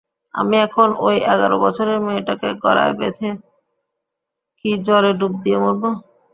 আমি এখন ঐ এগারো বছরের মেয়েটাকে গলায় বেঁধে কি জলে ডুব দিয়ে মরব?